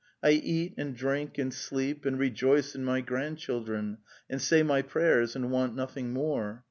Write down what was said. I eat and drink and sleep and rejoice in my grandchildren, and say my prayers and want nothing more.